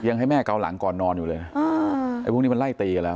ยังให้แม่เกาหลังก่อนนอนอยู่เลยพวกนี้มันไล่ตีกันแล้ว